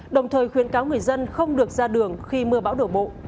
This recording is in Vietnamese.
đồng thời khuyến cáo người dân không được ra đường khi mưa bão đổ bộ